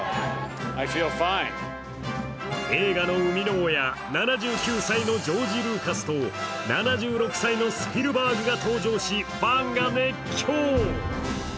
映画の生みの親７９歳のジョージ・ルーカスと７６歳のスピルバーグが登場しファンが熱狂。